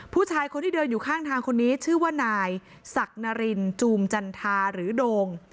ผู้ชายคนที่เดินอยู่ข้างทางคนนี้ชื่อว่านายศักดิ์นารินจูมจันทาหรือโดง